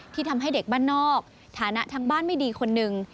ที่ทำให้เด็กบ้านนอกฐานะทางบ้านไม่ดีคนหนึ่ง